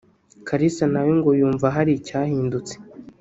Kalisa nawe ngo yumva hari icyahindutse